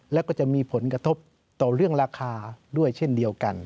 แล้วก็จะมีผลกระทบต่อเรื่องราคาด้วยเช่นเดียวกัน